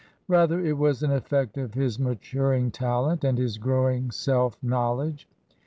Rather it was an effect of his matur ing talent and his growing self knowledge.